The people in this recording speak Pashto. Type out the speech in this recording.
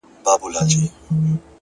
د سهار چوپتیا د ورځې له شور مخکې وي!.